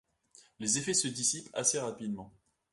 Les effets se dissipent assez rapidement.